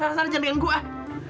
sana sana sana jangan denganku ah